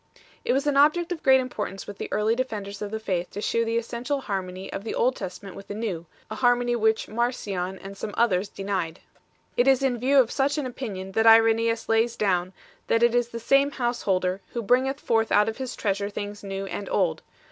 It was an object of great importance with the early defenders of the faith to shew the essential harmony of the Old Testament with the New, a harmony which Marcion and some others denied. It is in view of such an opinion that Irenaeus 5 lays down, that it is the same Householder who bringeth forth out of his treasure things new and old.